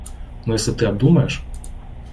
Но если ты обдумаешь...